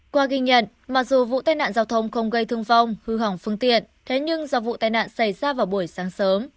qua ghi nhận mặc dù vụ tai nạn giao thông không gây thương vong hư hỏng phương tiện thế nhưng do vụ tai nạn xảy ra vào buổi sáng sớm